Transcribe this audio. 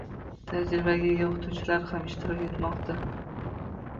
Tajribaga ega o‘qituvchilar ham ishtirok etmoqda.